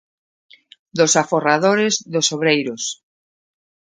Dos aforradores, dos obreiros.